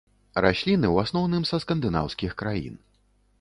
Расліны ў асноўным са скандынаўскіх краін.